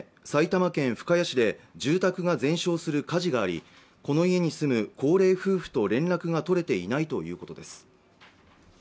埼玉県深谷市で住宅が全焼する火事がありこの家に住む高齢夫婦と連絡が取れていないということです